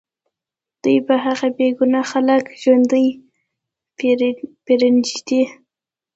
دوی به هغه بې ګناه خلک ژوندي پرېنږدي